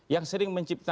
yang sering menciptakan